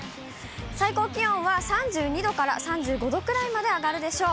最高気温は３２度から３５度くらいまで上がるでしょう。